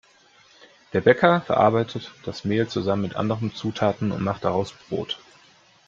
Der Bäcker verarbeitet das Mehl zusammen mit anderen Zutaten und macht daraus Brot.